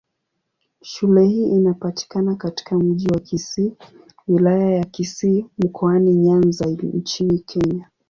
Shule hii inapatikana katika Mji wa Kisii, Wilaya ya Kisii, Mkoani Nyanza nchini Kenya.